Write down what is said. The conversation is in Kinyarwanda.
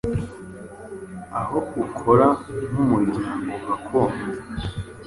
Aho ukora nk’umuryango gakondo